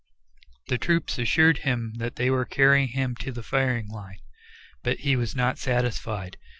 The troopers assured him they were carrying him to the firing line, but he was not satisfied.